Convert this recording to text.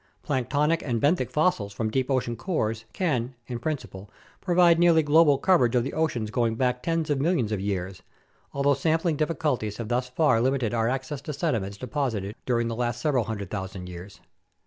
Planktonic and benthic fossils from deep sea cores can in principle provide nearly global coverage of the ocean going back tens of millions of years, al though sampling difficulties have thus far limited our access to sediments deposited during the last several hundred thousand years.